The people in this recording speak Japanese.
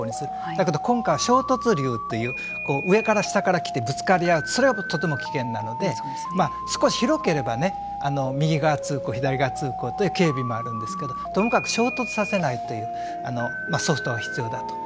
だけど今回は衝突流という上から下から来てぶつかり合うそれはとても危険なので少し広ければ右側通行左側通行という警備もあるんですけどともかく衝突させないというソフトが必要だと。